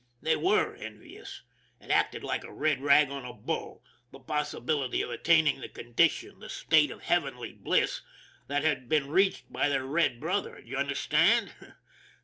They were envious. It acted like a red rag on a bull the possibility of attaining the condi tion, the state of heavenly bliss, that had been reached by their red brother, do you understand